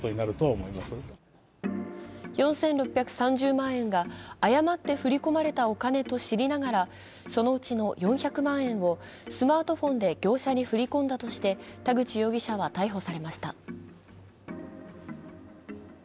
４６３０万円が誤って振り込まれたお金と知りながらそのうちの４００万円をスマートフォンで業者に振り込んだとして田口容疑者は逮捕されました。